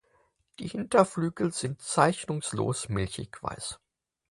Die Hinterflügel sind zeichnungslos milchig weiß.